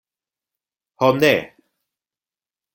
Ho ne!